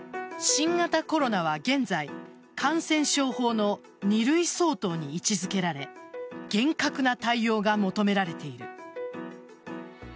新型コロナは現在感染症法の２類相当に位置付けられ厳格な対応が求められている。